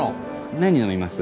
何飲みます？